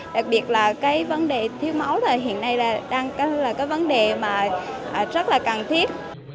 đặc biệt là vấn đề thiếu máu hiện nay là vấn đề rất là cần thiết